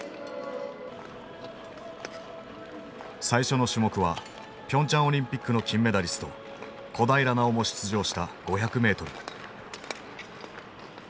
最初の種目はピョンチャン・オリンピックの金メダリスト小平奈緒も出場した５００ｍ。